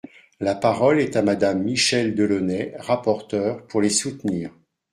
La parole est à Madame Michèle Delaunay, rapporteure, pour les soutenir.